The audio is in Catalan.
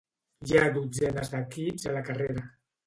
Hi ha dotzenes d'equips a la carrera.